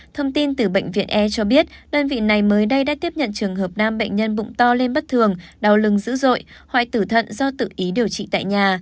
thông tin từ bệnh viện e cho biết đơn vị này mới đây đã tiếp nhận trường hợp nam bệnh nhân bụng to lên bất thường đau lưng dữ dội hoại tử thận do tự ý điều trị tại nhà